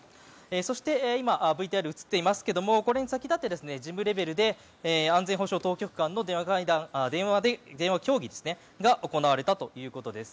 そして、今ＶＴＲに映っていますけれどこれに先立って事務レベルで安全保障当局間の電話協議が行われたということです。